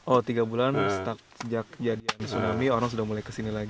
oh tiga bulan sejak kejadian tsunami orang sudah mulai kesini lagi